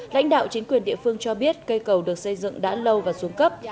lãnh đạo chính quyền địa phương cho biết cây cầu được xây dựng đã lâu và xuống cấp